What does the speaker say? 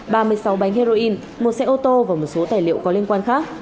ba mươi sáu bánh heroin một xe ô tô và một số tài liệu có liên quan khác